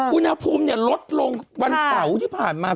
อุณหภูมิลดลงวันเสาร์ที่ผ่านมา